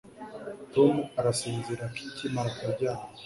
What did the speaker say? tom arasinzira akimara kuryama